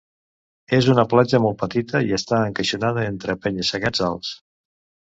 És una platja molt petita i està encaixonada entre penya-segats alts.